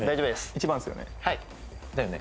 １番ですよね？